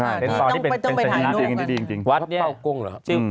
อ่าต้องไปต้องไปถ่ายร้านที่ดีจริงจริงวัดเนี้ยเปาโกงเหรออืม